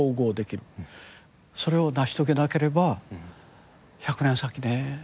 それを成し遂げなければ１００年先ね